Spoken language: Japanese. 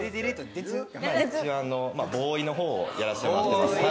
一応ボーイの方をやらせてもらってます。